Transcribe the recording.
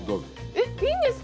えっいいんですか！